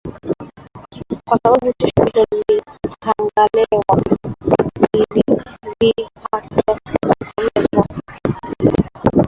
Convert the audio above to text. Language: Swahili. kwa sababu tishio hilo halijatokomezwa